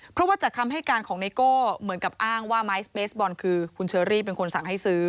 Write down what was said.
เพราะว่าจากคำให้การของไนโก้เหมือนกับอ้างว่าไม้เบสบอลคือคุณเชอรี่เป็นคนสั่งให้ซื้อ